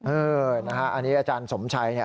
เอ่ออันเนี้ยอาจารย์สมชัยเนี้ย